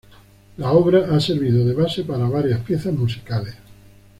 La obra ha servido de base para varias piezas musicales.